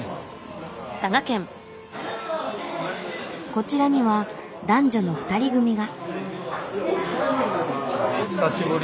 こちらには男女の２人組が。